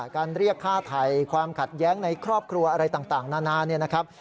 การเรียกฆ่าไทยความขัดแย้งในครอบครัวอะไรต่างนานาเนี่ยนะครับ